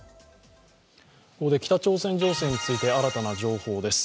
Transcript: ここで北朝鮮情勢について新たな情報です。